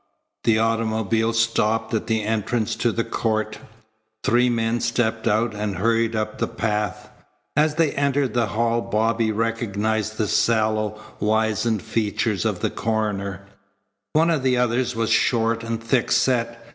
The automobile stopped at the entrance to the court. Three men stepped out and hurried up the path. As they entered the hall Bobby recognized the sallow, wizened features of the coroner. One of the others was short and thick set.